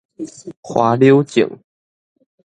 花柳症